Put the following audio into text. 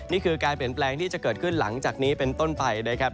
นี่คือการเปลี่ยนแปลงที่จะเกิดขึ้นหลังจากนี้เป็นต้นไปนะครับ